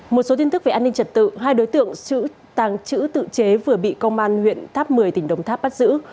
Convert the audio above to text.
một số tin tức về an ninh trật tự hai đối tượng tàng trữ tự chế vừa bị công an huyện tháp một mươi tỉnh đồng tháp bắt giữ